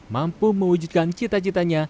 mampu mewujudkan cita citanya